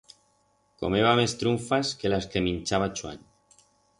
Comeba mes trunfas que las que minchaba Chuan.